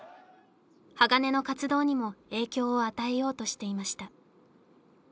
ＨＡＧＡＮＥの活動にも影響を与えようとしていました